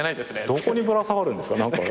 どこにぶら下がるんですか？